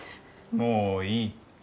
もういい。